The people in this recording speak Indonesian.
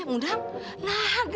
aku jarang polisa lagi